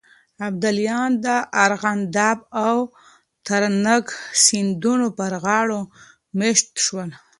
ابداليان د ارغنداب او ترنک سيندونو پر غاړو مېشت شول.